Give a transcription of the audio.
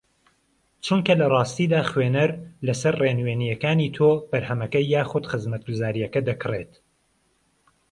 چونکە لەڕاستیدا خوێنەر لەسەر ڕێنوینییەکانی تۆ بەرهەمەکە یاخوود خزمەتگوزارییەکە دەکڕێت